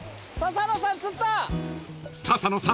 ［笹野さん